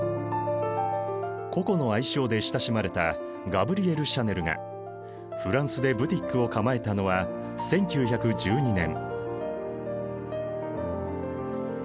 ココの愛称で親しまれたガブリエル・シャネルがフランスでブティックを構えたのは１９１２年。